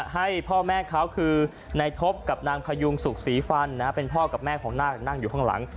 ให้พ่อแม่เขาคือในทบกับนางพยุงสุขศรีฟันเป็นพ่อกับแม่ของนาคนั่งอยู่ข้างหลัง